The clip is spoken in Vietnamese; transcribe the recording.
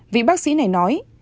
vị bác sĩ này nói